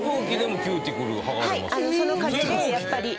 その風でやっぱり。